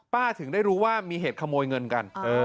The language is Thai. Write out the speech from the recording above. ถึงได้รู้ว่ามีเหตุขโมยเงินกัน